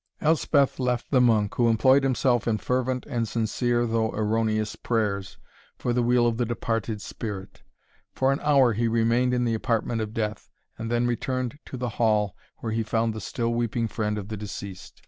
Elspeth left the monk, who employed himself in fervent and sincere, though erroneous prayers, for the weal of the departed spirit. For an hour he remained in the apartment of death, and then returned to the hall, where he found the still weeping friend of the deceased.